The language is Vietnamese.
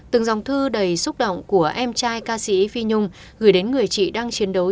từng dòng thư đầy xúc động của em trai ca sĩ phi nhung gửi đến người chị đang chiến đấu